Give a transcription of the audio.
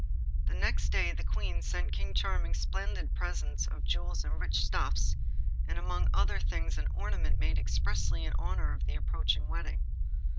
The next day the Queen sent King Charming splendid presents of jewels and rich stuffs, and among other things an ornament made expressly in honour of the approaching wedding.